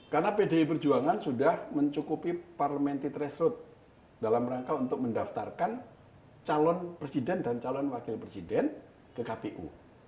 karena pdi perjuangan sudah mencukupi parliamentary traceroute dalam rangka untuk mendaftarkan calon presiden dan calon wakil presiden ke kpu